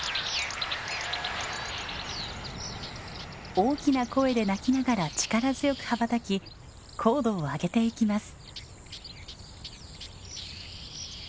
大きな声で鳴きながら力強く羽ばたき高度を上げてゆきます。